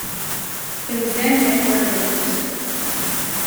It was then headquartered in Houston.